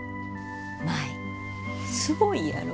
舞すごいやろ？